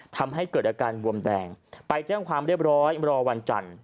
ทำให้เกิดอาการบวมแดงไปแจ้งความเรียบร้อยรอวันจันทร์